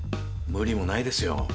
無理もないですよ。